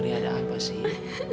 signori ada apa sih